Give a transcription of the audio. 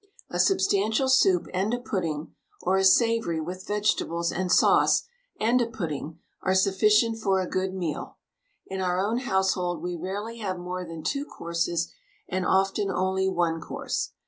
A substantial soup and a pudding, or a savoury with vegetables and sauce and a pudding, are sufficient for a good meal. In our own household we rarely have more than two courses, and often only one course.